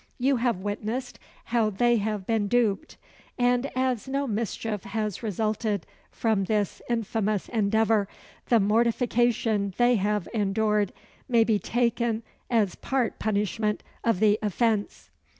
You have witnessed how they have been duped, and, as no mischief has resulted from this infamous endeavour, the mortification they have endured may be taken as part punishment of the offence.